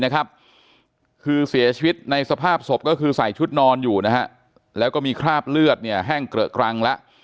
คือเสียชีวิตในสภาพศพก็คือใส่ชุดนอนอยู่นะฮะแล้วก็มีคราบเลือดแห้งเกลอะกรังแล้ว